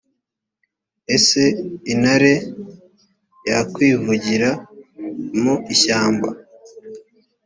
ese intare yakwivugira mu ishyamba?